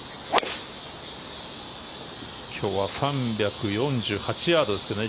今日は３４８ヤードですけどね。